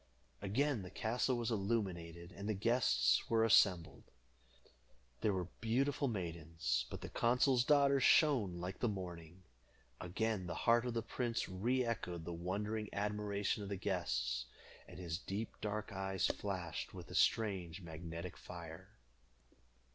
Again the castle was illuminated, and the guests were assembled. There were beautiful maidens, but the consul's daughter shone like the morning. Again the heart of the prince re echoed the wondering admiration of the guests, and his deep dark eyes flashed with a strange magnetic fire.